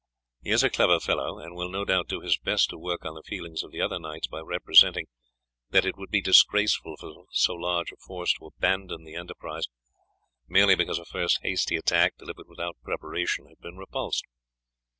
He is a clever fellow, and will no doubt do his best to work on the feelings of the other knights by representing that it would be disgraceful for so large a force to abandon the enterprise merely because a first hasty attack, delivered without preparation, had been repulsed.